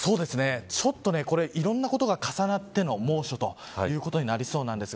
ちょっといろんなことが重なっての猛暑ということになりそうです。